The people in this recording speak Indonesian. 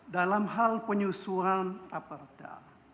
dalam hal penyusuan aperda